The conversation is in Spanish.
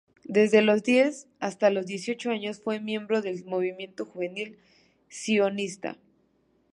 Desde los diez hasta los dieciocho años fue miembro del Movimiento Juvenil Sionista.